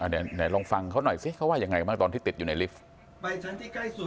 เดี๋ยวลองฟังเขาหน่อยซิเขาว่ายังไงบ้างตอนที่ติดอยู่ในลิฟท์